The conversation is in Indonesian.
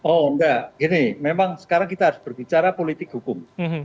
oh enggak gini memang sekarang kita harus berbicara politik hukum